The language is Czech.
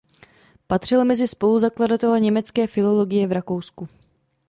Patřil mezi spoluzakladatele německé filologie v Rakousku.